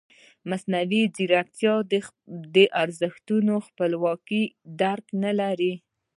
ایا مصنوعي ځیرکتیا د ارزښتونو خپلواک درک نه لري؟